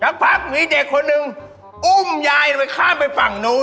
พักมีเด็กคนหนึ่งอุ้มยายไปข้ามไปฝั่งนู้น